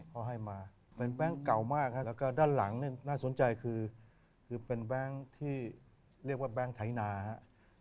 เขาให้มาเป็นแบงค์เก่ามากครับแล้วก็ด้านหลังนี่น่าสนใจคือเป็นแบงค์ที่เรียกว่าแบงค์ไถนาครับ